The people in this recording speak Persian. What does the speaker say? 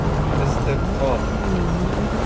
استفتاح